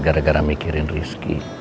gara gara mikirin rizky